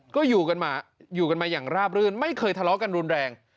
ก็อยู่กันมาอย่างราบรื่นไม่เคยทะเลาะกันรุนแรง